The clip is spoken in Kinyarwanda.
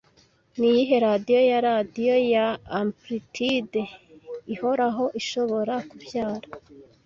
Niyihe radiyo ya radiyo ya amplitude ihoraho ishobora kubyara